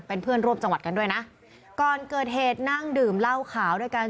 เป็นเพื่อนร่วมจังหวัดกันด้วยนะก่อนเกิดเหตุนั่งดื่มเหล้าขาวด้วยกัน